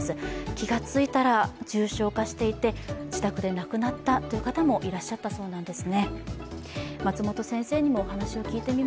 気がついたら重症化していて自宅で亡くなったという方もいらっしゃったそうなんです。